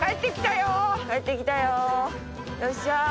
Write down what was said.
よっしゃ。